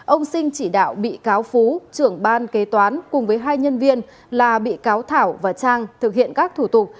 ông sinh chỉ đạo bị cáo phú trưởng ban kế toán cùng với hai nhân viên là bị cáo thảo và trang thực hiện các thủ tục